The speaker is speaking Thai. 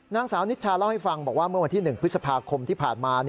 นางสาวนิชชาเล่าให้ฟังบอกว่าเมื่อวันที่๑พฤษภาคมที่ผ่านมา